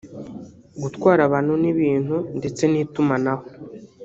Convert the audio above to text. gutwara abantu n’ibintu ndetse n’Itumanaho